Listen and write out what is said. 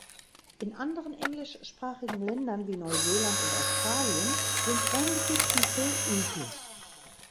In anderen englischsprachigen Ländern wie Neuseeland und Australien sind ähnliche Titel üblich.